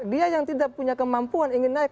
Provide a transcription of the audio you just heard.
dia yang tidak punya kemampuan ingin naik